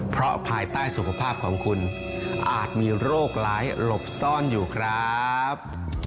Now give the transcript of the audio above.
เพราะภายใต้สุขภาพของคุณอาจมีโรคร้ายหลบซ่อนอยู่ครับ